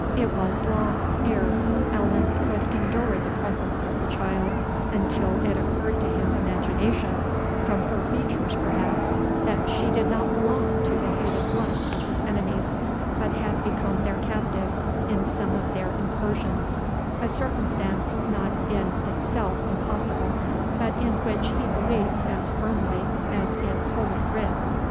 It was long ere Allan could endure the presence of the child, until it occurred to his imagination, from her features perhaps, that she did not belong to the hated blood of his enemies, but had become their captive in some of their incursions; a circumstance not in itself impossible, but in which he believes as firmly as in holy writ.